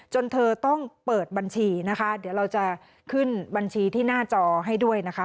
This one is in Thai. เธอต้องเปิดบัญชีนะคะเดี๋ยวเราจะขึ้นบัญชีที่หน้าจอให้ด้วยนะคะ